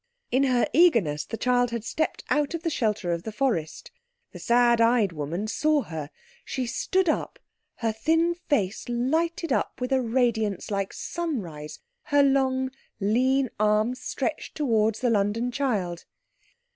In her eagerness the child had stepped out of the shelter of the forest. The sad eyed woman saw her. She stood up, her thin face lighted up with a radiance like sunrise, her long, lean arms stretched towards the London child.